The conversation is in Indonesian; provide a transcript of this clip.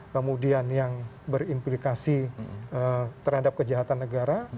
kemudian yang berimplikasi terhadap kejahatan negara